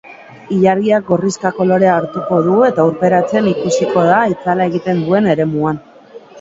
Ilargiak gorrixka kolorea hartuko du eta urperatzen ikusiko da itzala egiten duen eremuan.